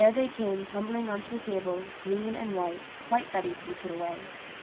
there they came tumbling on to the table, clean and white, quite ready to be put away.